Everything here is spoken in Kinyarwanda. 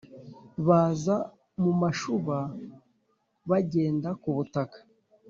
Baza mu mashuba bagenda ku butaka,